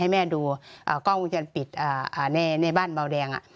ให้แม่ดูอ่ากล้องวงจรปิดอ่าในในบ้านเบาแดงอ่ะ